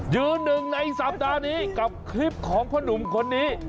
ยืนหนึ่งในสัปดาห์นี้กับคลิปของพ่อหนุ่มคนนี้